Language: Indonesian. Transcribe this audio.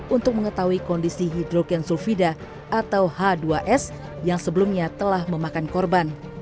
untuk mengetahui kondisi hidrogen sulfida atau h dua s yang sebelumnya telah memakan korban